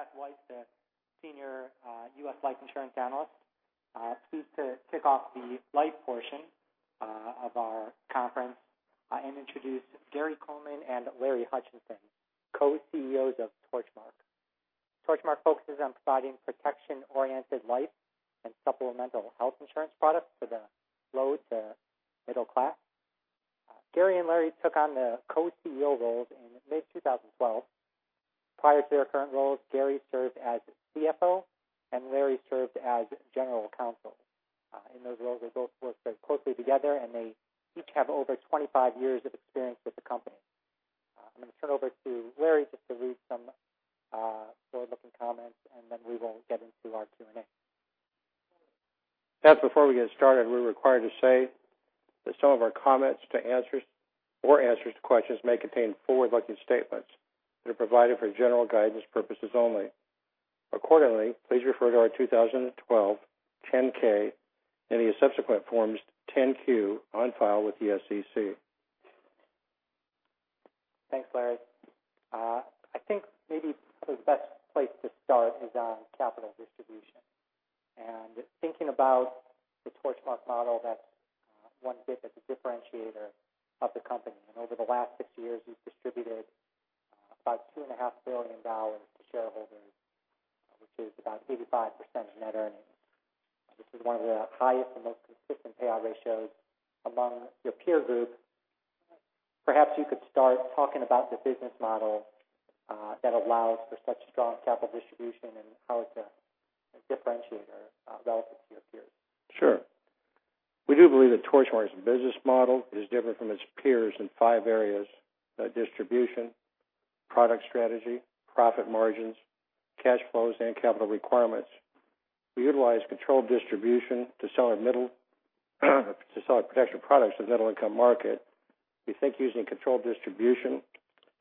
Seth Weiss, the Senior U.S. Life Insurance Analyst, pleased to kick off the life portion of our conference and introduce Gary Coleman and Larry Hutchison, Co-CEOs of Torchmark. Torchmark focuses on providing protection-oriented life and supplemental health insurance products to the low to middle class. Gary and Larry took on the Co-CEO roles in mid-2012. Prior to their current roles, Gary served as CFO, and Larry served as General Counsel. In those roles, they both worked very closely together, and they each have over 25 years of experience with the company. I'm going to turn over to Larry just to read some forward-looking comments, and then we will get into our Q&A. Seth, before we get started, we're required to say that some of our comments to answers or answers to questions may contain forward-looking statements that are provided for general guidance purposes only. Accordingly, please refer to our 2012 10-K and any subsequent forms 10-Q on file with the SEC. Thanks, Larry. I think maybe the best place to start is on capital distribution. Thinking about the Torchmark model, that's one bit that's a differentiator of the company. Over the last six years, you've distributed about $2.5 billion to shareholders, which is about 85% of net earnings. This is one of the highest and most consistent payout ratios among your peer group. Perhaps you could start talking about the business model that allows for such strong capital distribution and how it's a differentiator relative to your peers. Sure. We do believe that Torchmark's business model is different from its peers in five areas: distribution, product strategy, profit margins, cash flows, and capital requirements. We utilize controlled distribution to sell our protection products to the middle-income market. We think using controlled distribution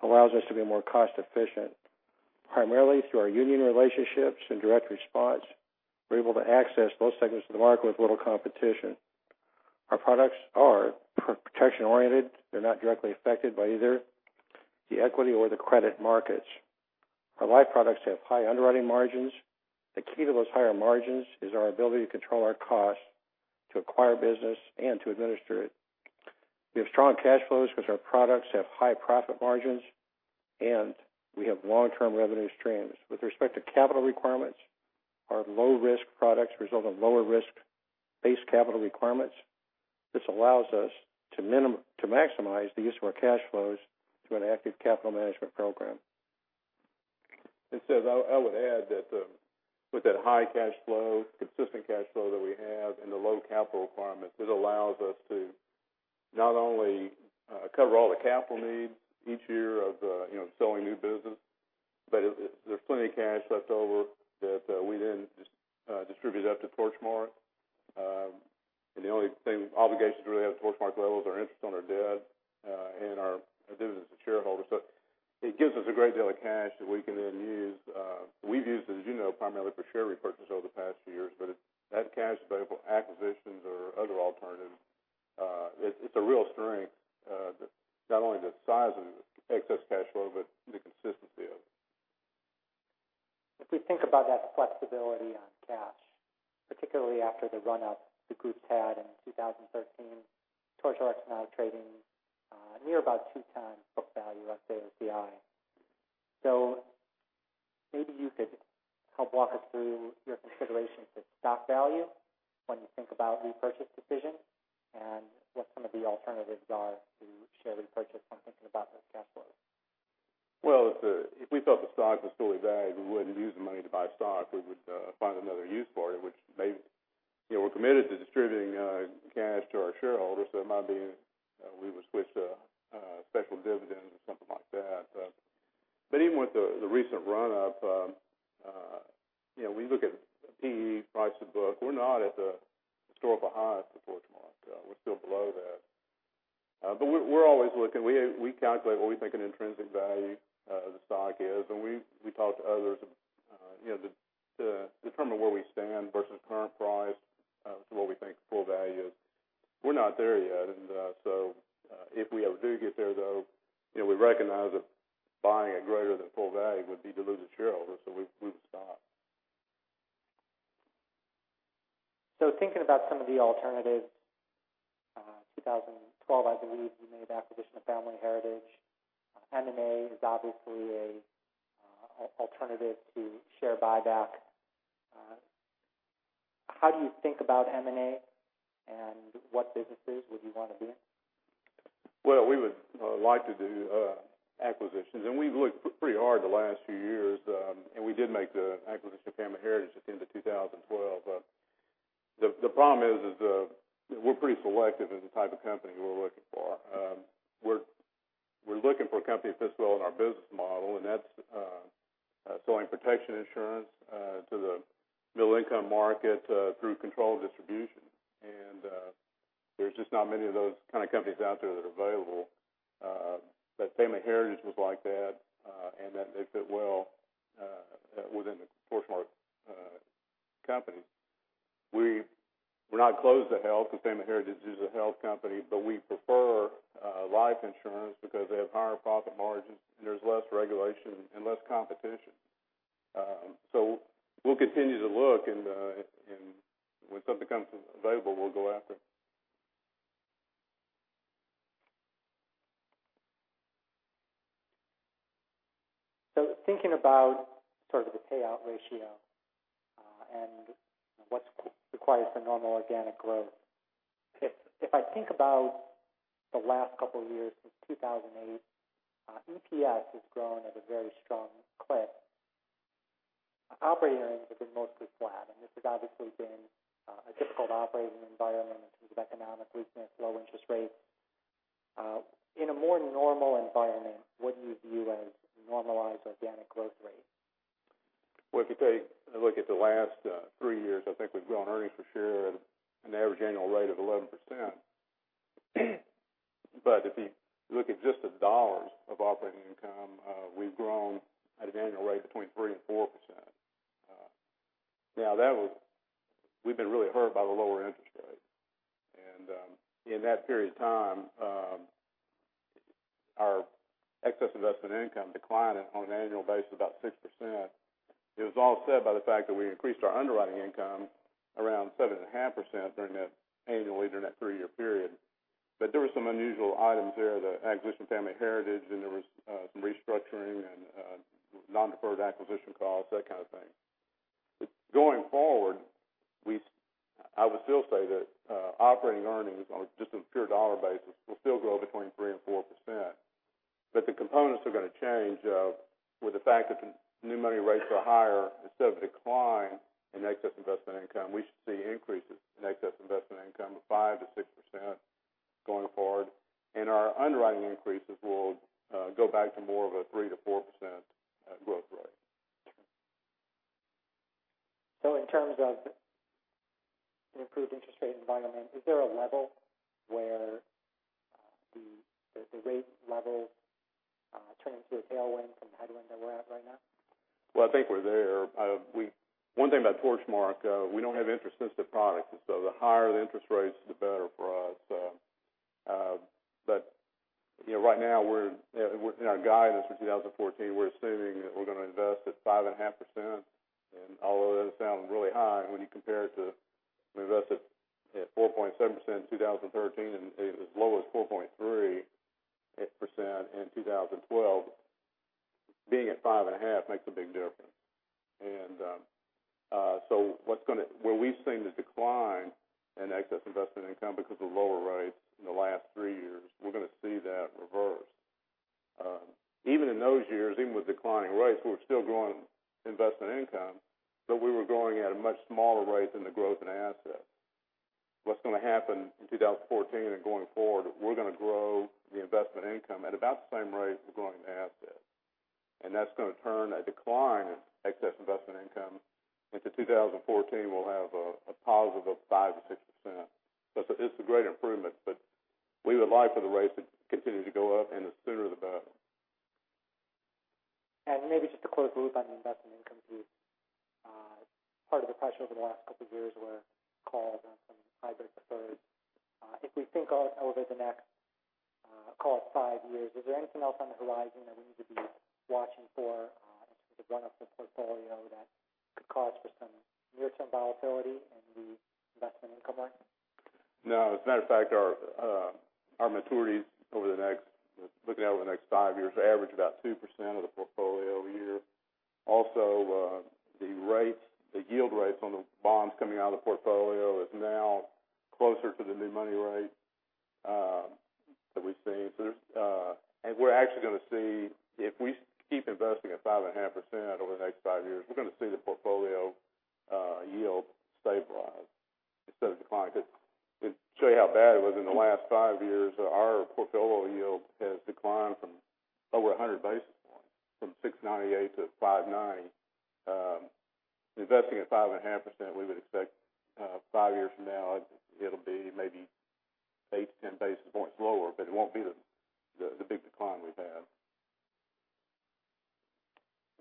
allows us to be more cost-efficient. Primarily through our union relationships and Direct Response, we're able to access those segments of the market with little competition. Our products are protection oriented. They're not directly affected by either the equity or the credit markets. Our life products have high underwriting margins. The key to those higher margins is our ability to control our costs to acquire business and to administer it. We have strong cash flows because our products have high profit margins, and we have long-term revenue streams. With respect to capital requirements, our low-risk products result in lower risk-based capital requirements. This allows us to maximize the use of our cash flows through an active capital management program. Seth, I would add that with that high cash flow, consistent cash flow that we have and the low capital requirements, it allows us to not only cover all the capital needs each year of selling new business, but there's plenty of cash left over that we then distribute up to Torchmark. The only obligations really at a Torchmark level are interest on our debt and our dividends to shareholders. It gives us a great deal of cash that we can then use. We've used it, as you know, primarily for share repurchase over the past few years. That cash is available for acquisitions or other alternatives. It's a real strength, not only the size of excess cash flow, but the consistency of it. If we think about that flexibility on cash, particularly after the run-up the group's had in 2013, Torchmark's now trading near about two times book value, like AOCI. Maybe you could help walk us through your consideration for stock value when you think about repurchase decisions and what some of the alternatives are to share repurchase when thinking about those cash flows. Well, if we thought the stock was fully valued, we wouldn't use the money to buy stock. We would find another use for it. We're committed to distributing cash to our shareholders, it might be we would switch to special dividends or something like that. Even with the recent run-up, we look at PE price to book. We're not at the historical highs for Torchmark. We're still below that. We're always looking. We calculate what we think an intrinsic value of the stock is, and we talk to others to determine where we stand versus current price to what we think full value is. We're not there yet. If we ever do get there, though, we recognize that buying at greater than full value would be dilutive to shareholders, we would stop. Thinking about some of the alternatives, 2012, I believe you made the acquisition of Family Heritage. M&A is obviously an alternative to share buyback. How do you think about M&A, and what businesses would you want to be in? Well, we would like to do acquisitions, and we've looked pretty hard the last few years. We did make the acquisition of Family Heritage at the end of 2012. The problem is we're pretty selective in the type of company we're looking for. We're looking for a company that fits well in our business model, and that's selling protection insurance to the middle-income market through controlled distribution. There's just not many of those kind of companies out there that are available. Family Heritage was like that, and they fit well within the Torchmark Company. We're not closed to health. Family Heritage is a health company, but we prefer life insurance because they have higher profit margins, and there's less regulation and less competition. We'll continue to look, and when something comes available, we'll go after it. Thinking about sort of the payout ratio and what's required for normal organic growth. If I think about the last couple of years, since 2008, EPS has grown at a very strong clip. Operating earnings have been mostly flat, and this has obviously been a difficult operating environment in terms of economic weakness, low interest rates. In a more normal environment, what do you view as a normalized organic growth rate? Well, if you take a look at the last three years, I think we've grown earnings per share at an average annual rate of 11%. If you look at just the dollars of operating income, we've grown at an annual rate between 3% and 4%. We've been really hurt by the lower interest rates. In that period of time, our excess investment income declined on an annual basis about 6%. It was offset by the fact that we increased our underwriting income around 7.5% annually during that three-year period. There were some unusual items there, the acquisition, Family Heritage, and there was some restructuring and non-deferred acquisition costs, that kind of thing. Going forward, I would still say that operating earnings on just a pure dollar basis will still grow between 3% and 4%, but the components are going to change with the fact that the new money rates are higher. Instead of a decline in excess investment income, we should see increases in excess investment income of 5% to 6% going forward, and our underwriting increases will go back to more of a 3% to 4% growth rate. In terms of an improved interest rate environment, is there a level where the rate levels turn into a tailwind from the headwind that we're at right now? Well, I think we're there. One thing about Torchmark, we don't have interest-sensitive products, and so the higher the interest rates, the better for us. Right now in our guidance for 2014, we're assuming that we're going to invest at 5.5%. Although that sounds really high when you compare it to we invested at 4.7% in 2013, and as low as 4.3% in 2012, being at 5.5 makes a big difference. Where we've seen the decline in excess investment income because of lower rates in the last three years, we're going to see that reverse. Even in those years, even with declining rates, we're still growing investment income, but we were growing at a much smaller rate than the growth in assets. What's going to happen in 2014 and going forward, we're going to grow the investment income at about the same rate we're growing the assets. That's going to turn a decline in excess investment income into 2014, we'll have a positive of 5% to 6%. It's a great improvement, but we would like for the rates to continue to go up, and the sooner, the better. Maybe just to close the loop on the investment income piece. Part of the pressures over the last couple of years were calls on some hybrid preferred. If we think out over the next call it five years, is there anything else on the horizon that we need to be watching for in terms of run off the portfolio that could cause for some near-term volatility in the investment income line? No, as a matter of fact, our maturities looking out over the next five years, average about 2% of the portfolio a year. The yield rates on the bonds coming out of the portfolio is now closer to the new money rate that we've seen. If we keep investing at 5.5% over the next five years, we're going to see the portfolio yield stabilize instead of decline. To show you how bad it was in the last five years, our portfolio yield has declined from over 100 basis points, from 698 to 590. Investing at 5.5%, we would expect five years from now, it'll be maybe 8-10 basis points lower, but it won't be the big decline we've had.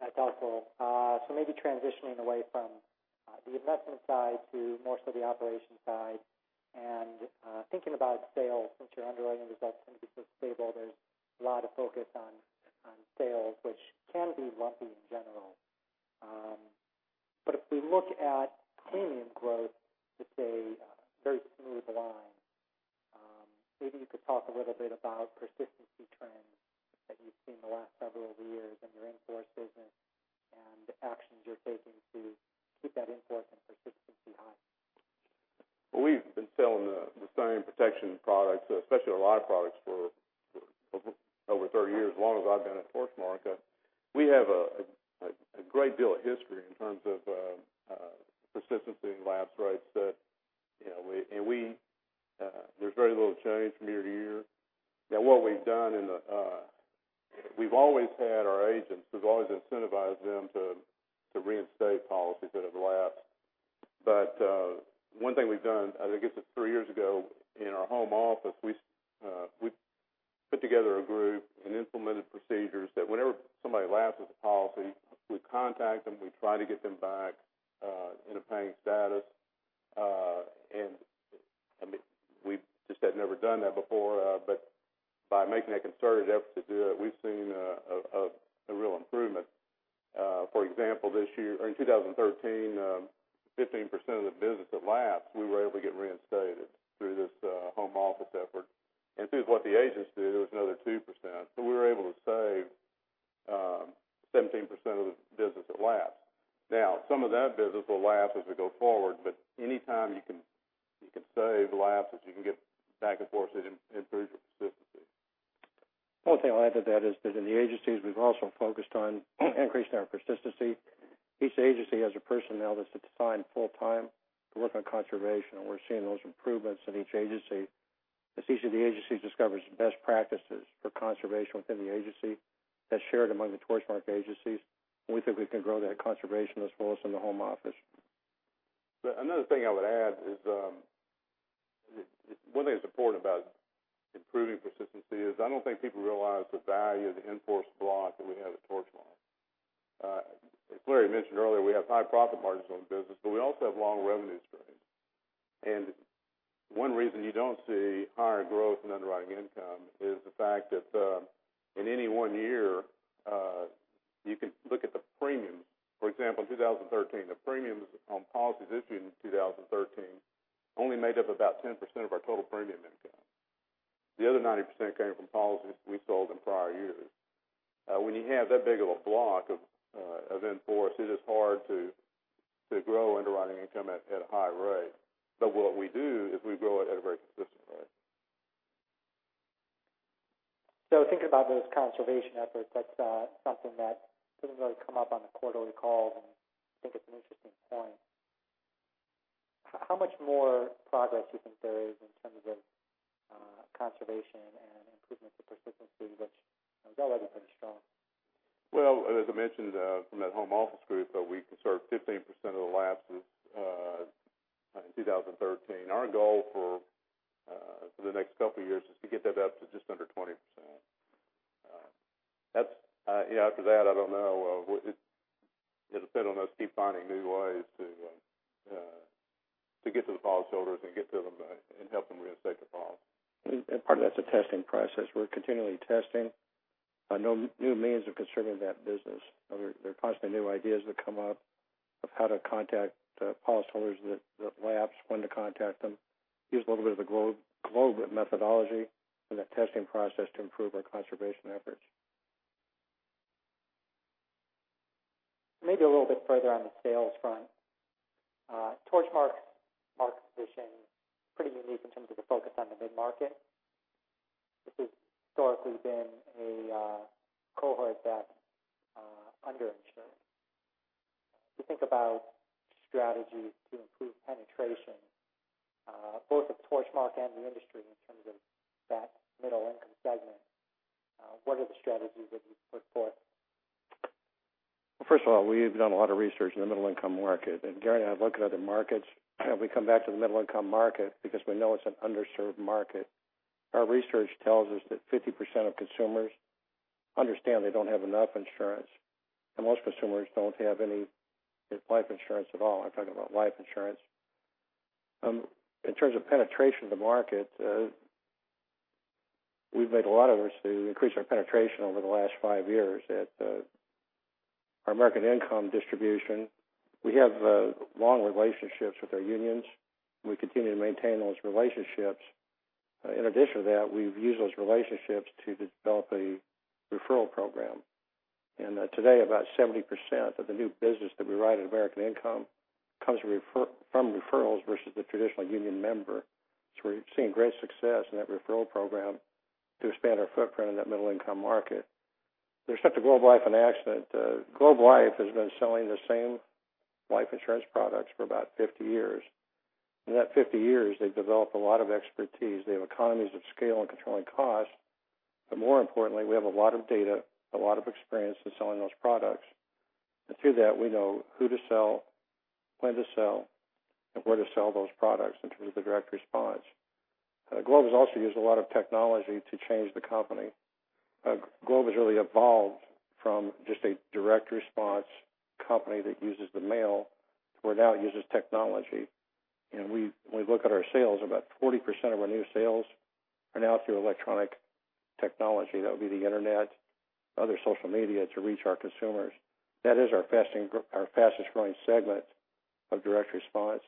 That's helpful. Maybe transitioning away from the investment side to more so the operations side and thinking about sales. Since your underwriting results tend to be so stable, there's a lot of focus on sales, which can be lumpy in general. If we look at premium growth, it's a very smooth line. Maybe you could talk a little bit about persistency trends that you've seen the last several years in your in-force business and actions you're taking to keep that in-force and persistency high. We've been selling the same protection products, especially our life products, for over 30 years, as long as I've been at Torchmark. We have a great deal of history in terms of persistency and lapse rates. There's very little change from year to year. We've always had our agents. We've always incentivized them to reinstate policies that have lapsed. One thing we've done, I think it's 3 years ago in our home office, we put together a group and implemented procedures that whenever somebody lapses a policy, we contact them, we try to get them back in a paying status. We just had never done that before. By making a concerted effort to do it, we've seen a real improvement. For example, in 2013, 15% of the business that lapsed, we were able to get reinstated through this home office effort. Through what the agents do, it was another 2%. We were able to save 17% of the business it lapsed. Some of that business will lapse as we go forward, but anytime you can save lapses, you can get back in force, it improves your persistency. One thing I'll add to that is that in the agencies, we've also focused on increasing our persistency. Each agency has a personnel that's assigned full time to work on conservation, and we're seeing those improvements in each agency. Each of the agencies discovers best practices for conservation within the agency, that's shared among the Torchmark agencies, and we think we can grow that conservation as well as in the home office. Another thing I would add is, one thing that's important about improving persistency is I don't think people realize the value of the in-force block that we have at Torchmark. As Larry mentioned earlier, we have high profit margins on the business, but we also have long revenue streams. One reason you don't see higher growth in underwriting income is the fact that in any one year, you can look at the premiums. For example, in 2013, the premiums on policies issued in 2013 only made up about 10% of our total premium income. The other 90% came from policies we sold in prior years. You have that big of a block of in-force, it is hard to grow underwriting income at a high rate. What we do is we grow it at a very consistent rate. Thinking about those conservation efforts, that's something that doesn't really come up on the quarterly calls, and I think it's an interesting point. How much more progress do you think there is in terms of conservation and improvements in persistency, which is already pretty strong? Well, as I mentioned from that home office group, we conserved 15% of the lapses in 2013. Our goal for the next couple of years is to get that up to just under 20%. After that, I don't know. It'll depend on us keep finding new ways to get to the policyholders and get to them back and help them reinstate the policy. Part of that's a testing process. We're continually testing new means of conserving that business. There are constantly new ideas that come up of how to contact the policyholders that lapse, when to contact them. Use a little bit of the Globe methodology in that testing process to improve our conservation efforts. Maybe a little bit further on the sales front. Torchmark's market position, pretty unique in terms of the focus on the mid-market, which has historically been a cohort that under-insures. If you think about strategies to improve penetration both of Torchmark and the industry in terms of that middle income segment, what are the strategies that you put forth? First of all, we have done a lot of research in the middle income market, Gary and I look at other markets, and we come back to the middle income market because we know it's an underserved market. Our research tells us that 50% of consumers understand they don't have enough insurance, and most consumers don't have any life insurance at all. I'm talking about life insurance. In terms of penetration of the market, we've made a lot of moves to increase our penetration over the last five years at our American Income distribution. We have long relationships with our unions, and we continue to maintain those relationships. In addition to that, we've used those relationships to develop a referral program. Today, about 70% of the new business that we write at American Income comes from referrals versus the traditional union member. We're seeing great success in that referral program to expand our footprint in that middle income market. There's such a Globe Life and Accident. Globe Life has been selling the same life insurance products for about 50 years. In that 50 years, they've developed a lot of expertise. They have economies of scale in controlling cost. More importantly, we have a lot of data, a lot of experience in selling those products. Through that, we know who to sell, when to sell, and where to sell those products in terms of the Direct Response. Globe has also used a lot of technology to change the company. Globe has really evolved from just a Direct Response company that uses the mail to where it now uses technology. When we look at our sales, about 40% of our new sales are now through electronic technology. That would be the internet, other social media to reach our consumers. That is our fastest growing segment of Direct Response.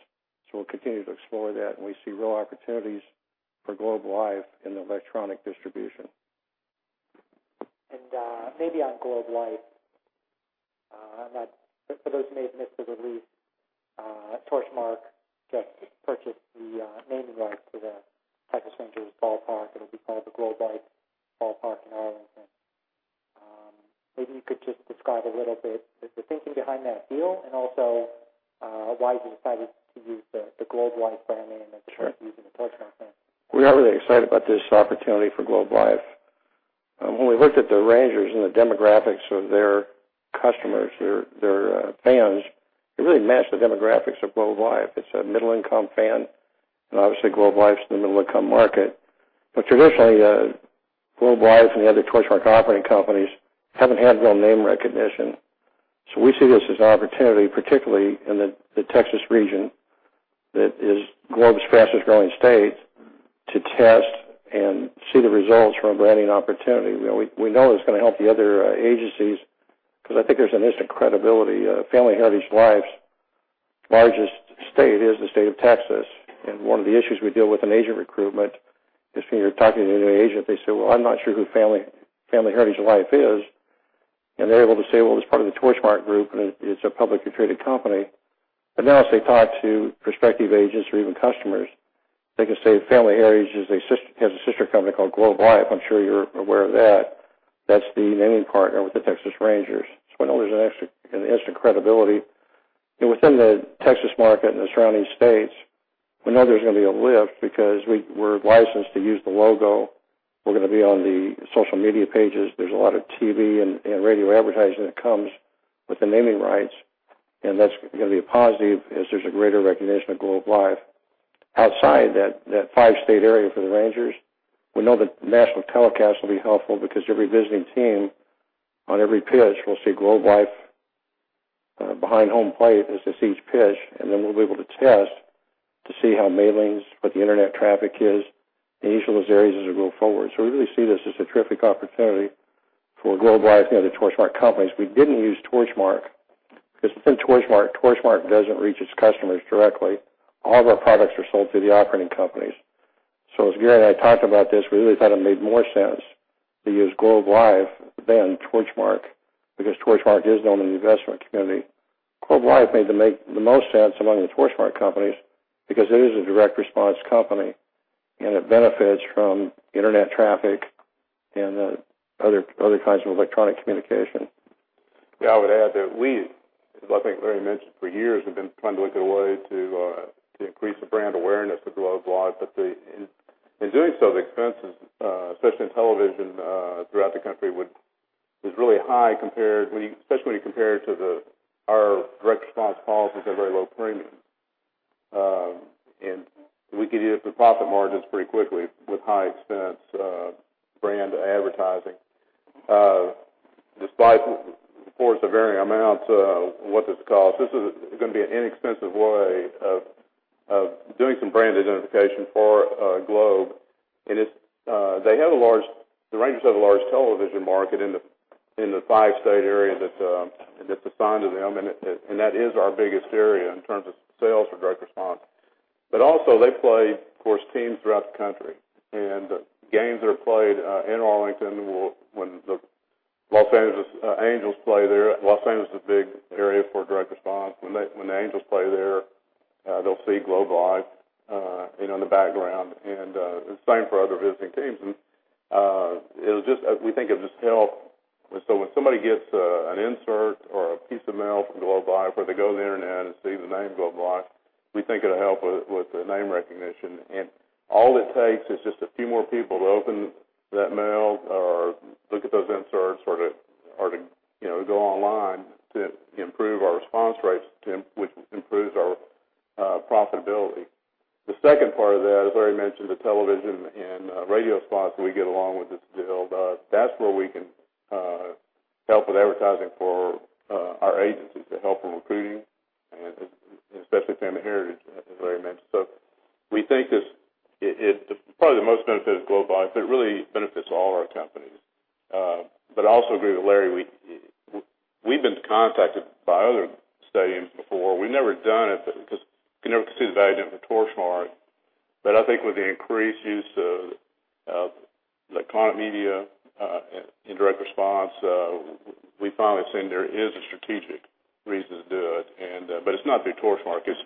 We'll continue to explore that, and we see real opportunities for Globe Life in the electronic distribution. Maybe on Globe Life, for those who may have missed the release, Torchmark just purchased the naming rights to the Texas Rangers Ballpark. It'll be called the Globe Life Ballpark in Arlington. Maybe you could just describe a little bit the thinking behind that deal and also why you decided to use the Globe Life brand name instead of using the Torchmark name. We are really excited about this opportunity for Globe Life. When we looked at the Rangers and the demographics of their customers, their fans, they really match the demographics of Globe Life. It's a middle-income fan, and obviously Globe Life's in the middle-income market. Traditionally, Globe Life and the other Torchmark operating companies haven't had real name recognition. We see this as an opportunity, particularly in the Texas region, that is Globe's fastest growing state, to test and see the results from a branding opportunity. We know it's going to help the other agencies because I think there's an instant credibility. Family Heritage Life's largest state is the state of Texas. One of the issues we deal with in agent recruitment is when you're talking to a new agent, they say, "Well, I'm not sure who Family Heritage Life is." They're able to say, "Well, it's part of the Torchmark group, and it's a publicly traded company." Now, as they talk to prospective agents or even customers, they can say Family Heritage has a sister company called Globe Life. I'm sure you're aware of that. That's the naming partner with the Texas Rangers. We know there's an instant credibility. Within the Texas market and the surrounding states, we know there's going to be a lift because we're licensed to use the logo. We're going to be on the social media pages. There's a lot of TV and radio advertising that comes with the naming rights. That's going to be a positive as there's a greater recognition of Globe Life. Outside that five-state area for the Rangers, we know the national telecast will be helpful because every visiting team on every pitch will see Globe Life behind home plate as they see each pitch. Then we'll be able to test to see how mailings, what the internet traffic is in each of those areas as we go forward. We really see this as a terrific opportunity for Globe Life and the other Torchmark companies. We didn't use Torchmark because within Torchmark doesn't reach its customers directly. All of our products are sold through the operating companies. As Gary and I talked about this, we really thought it made more sense to use Globe Life than Torchmark because Torchmark is known in the investment community. Globe Life made the most sense among the Torchmark companies because it is a Direct Response company, and it benefits from internet traffic and other kinds of electronic communication. Yeah, I would add that we, as I think Larry mentioned, for years have been trying to look at a way to increase the brand awareness of Globe Life. In doing so, the expenses, especially in television throughout the country, was really high, especially when you compare it to our Direct Response calls, which are very low premium. We could eat up the profit margins pretty quickly with high expense brand advertising. Despite, of course, the varying amounts of what this costs, this is going to be an inexpensive way of doing some brand identification for Globe. The Rangers have the largest television market in the five-state area that's assigned to them, and that is our biggest area in terms of sales for Direct Response. Also they play, of course, teams throughout the country, and games are played in Arlington when the Los Angeles Angels play there. Los Angeles is a big area for Direct Response. When the Angels play there, they'll see Globe Life in the background, and the same for other visiting teams. We think it'll just help. When somebody gets an insert or a piece of mail from Globe Life or they go to the internet and see the name Globe Life, we think it'll help with the name recognition. All it takes is just a few more people to open that mail or look at those inserts or to go online to improve our response rates, which improves our profitability. The second part of that, as Larry mentioned, the television and radio spots we get along with this deal, that's where we can help with advertising for our agencies to help with recruiting and especially Family Heritage, as Larry mentioned. We think this probably the most benefits Globe Life, it really benefits all our companies. I also agree with Larry. We've been contacted by other stadiums before. We've never done it because we could never see the value in it for Torchmark. I think with the increased use of electronic media in Direct Response, we finally seen there is a strategic reason to do it's not through Torchmark. It's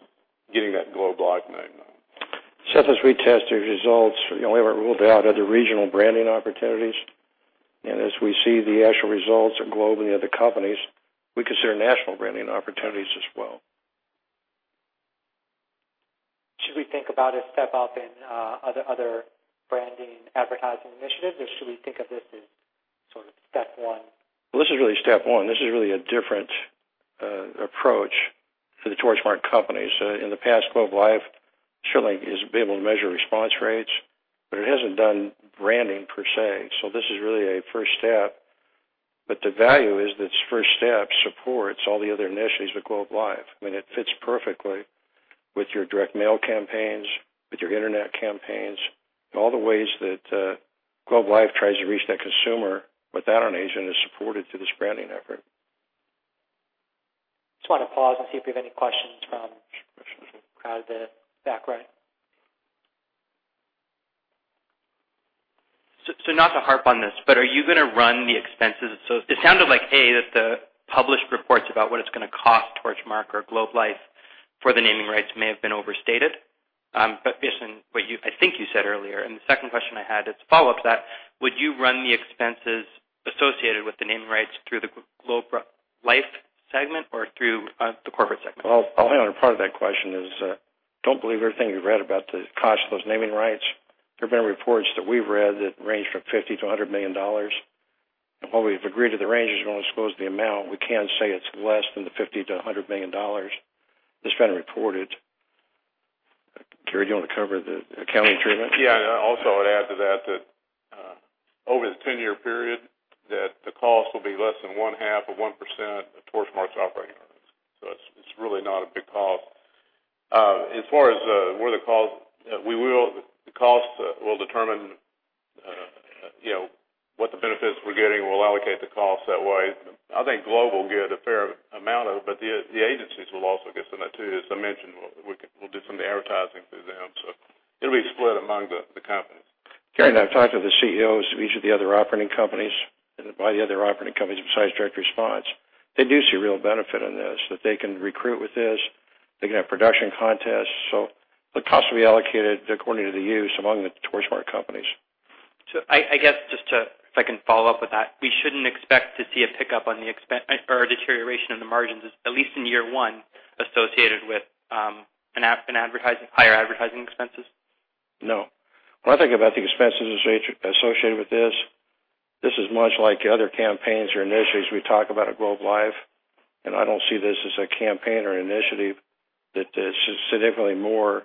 getting that Globe Life name out. As we test these results, we haven't ruled out other regional branding opportunities. As we see the actual results of Globe Life and the other companies, we consider national branding opportunities as well. Should we think about a step up in other branding advertising initiatives, or should we think of this as sort of step one? This is really step one. This is really a different approach for the Torchmark companies. In the past, Globe Life surely has been able to measure response rates, but it hasn't done branding per se. This is really a first step, but the value is this first step supports all the other initiatives with Globe Life. I mean, it fits perfectly with your direct mail campaigns, with your internet campaigns, and all the ways that Globe Life tries to reach that consumer without an agent is supported through this branding effort. Just want to pause and see if we have any questions from the back, Ryan. Not to harp on this, but are you going to run the expenses? It sounded like, A, that the published reports about what it's going to cost Torchmark or Globe Life for the naming rights may have been overstated, based on what I think you said earlier. The second question I had is follow-up to that. Would you run the expenses associated with the naming rights through the Globe Life segment or through the corporate segment? Well, hang on. Part of that question is, don't believe everything you've read about the cost of those naming rights. There've been reports that we've read that range from $50 million-$100 million. While we've agreed to the ranges, we won't disclose the amount, we can say it's less than the $50 million-$100 million that's been reported. Gary, do you want to cover the accounting treatment? Yeah. Also, I'd add to that over the 10-year period, that the cost will be less than one half of 1% of Torchmark's operating earnings. It's really not a big cost. As far as where the cost, the cost will determine what the benefits we're getting, we'll allocate the cost that way. I think Globe will get a fair amount of it, but the agencies will also get some of that too. As I mentioned, we'll do some of the advertising through them, it'll be split among the companies. Gary, I've talked to the CEOs of each of the other operating companies, and by the other operating companies besides Direct Response, they do see real benefit in this, that they can recruit with this. They can have production contests. The cost will be allocated according to the use among the Torchmark companies. I guess just to, if I can follow up with that, we shouldn't expect to see a pickup on the expense or a deterioration of the margins, at least in year one, associated with higher advertising expenses? No. When I think about the expenses associated with this is much like other campaigns or initiatives we talk about at Globe Life, I don't see this as a campaign or initiative that is significantly more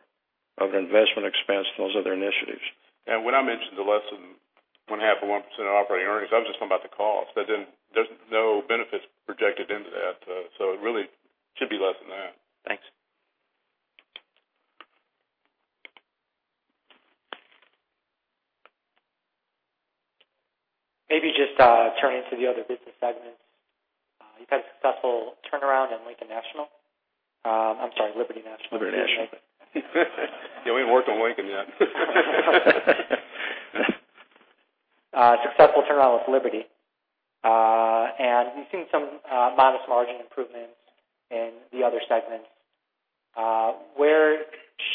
of an investment expense than those other initiatives. When I mentioned the less than one half of 1% of operating earnings, I was just talking about the cost. There's no benefits projected into that. It really should be less than that. Thanks. Maybe just turning to the other business segments. You've had a successful turnaround in Lincoln National. I'm sorry, Liberty National. Liberty National. Yeah, we ain't worked on Lincoln yet. Successful turnaround with Liberty National. We've seen some modest margin improvements in the other segments. Where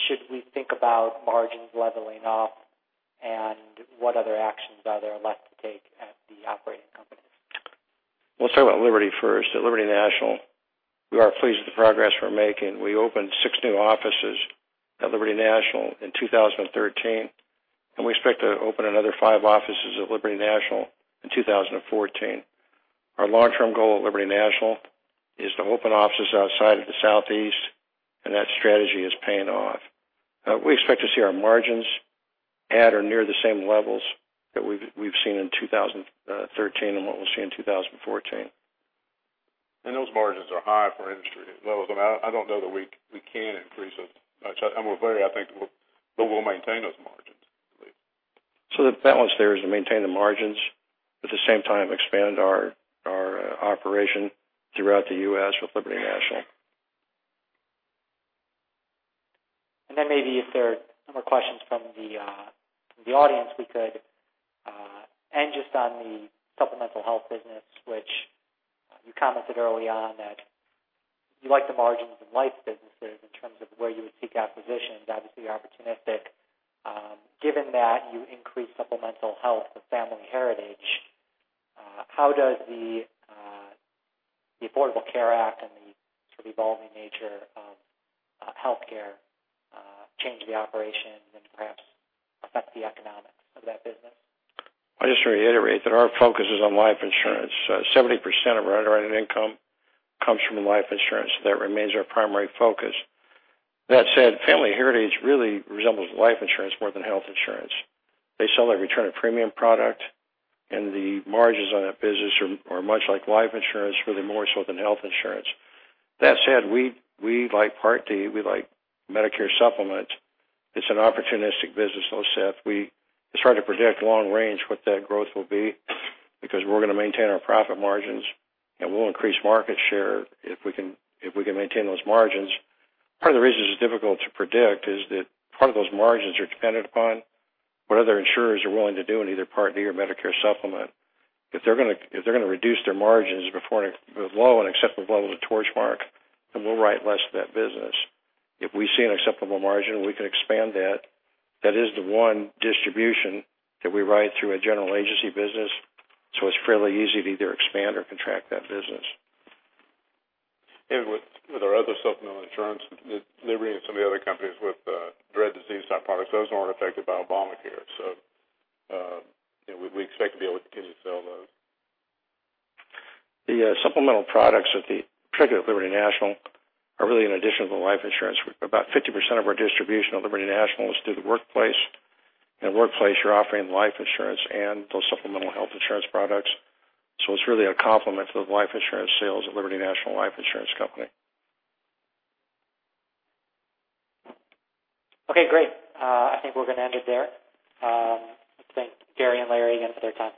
should we think about margins leveling off, and what other actions are there left to take at the operating companies? Let's talk about Liberty National first. At Liberty National, we are pleased with the progress we're making. We opened six new offices at Liberty National in 2013. We expect to open another five offices at Liberty National in 2014. Our long-term goal at Liberty National is to open offices outside of the Southeast. That strategy is paying off. We expect to see our margins at or near the same levels that we've seen in 2013 and what we'll see in 2014. Those margins are high for industry levels. I don't know that we can increase those much. We'll maintain those margins. The balance there is to maintain the margins, at the same time expand our operation throughout the U.S. with Liberty National. Maybe if there are more questions from the audience, we could. Just on the supplemental health business, which you commented early on that you like the margins in life businesses in terms of where you would seek acquisitions, obviously you're opportunistic. Given that you increased supplemental health with Family Heritage, how does the Affordable Care Act and the sort of evolving nature of healthcare change the operations and perhaps affect the economics of that business? I'd just reiterate that our focus is on life insurance. 70% of our underwriting income comes from life insurance. That remains our primary focus. That said, Family Heritage really resembles life insurance more than health insurance. They sell a return of premium product, and the margins on that business are much like life insurance, really more so than health insurance. That said, we like Part D. We like Medicare Supplement. It's an opportunistic business, though, Seth. It's hard to project long range what that growth will be because we're going to maintain our profit margins, and we'll increase market share if we can maintain those margins. Part of the reason it's difficult to predict is that part of those margins are dependent upon what other insurers are willing to do in either Part D or Medicare Supplement. If they're going to reduce their margins below an acceptable level to Torchmark, we'll write less of that business. If we see an acceptable margin, we can expand that. That is the one distribution that we write through a general agency business, so it's fairly easy to either expand or contract that business. With our other supplemental insurance, Liberty and some of the other companies with dread disease type products, those aren't affected by Obamacare. We expect to be able to continue to sell those. The supplemental products with the, particularly with Liberty National, are really an addition to the life insurance. About 50% of our distribution of Liberty National is through the workplace. In the workplace, you're offering life insurance and those supplemental health insurance products. It's really a complement to the life insurance sales at Liberty National Life Insurance Company. Okay, great. I think we're going to end it there. Let's thank Gary and Larry again for their time.